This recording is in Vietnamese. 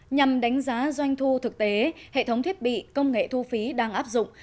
nhằm đánh giá doanh thu thực tế hệ thống thiết bị công nghệ thu phí đang áp dụng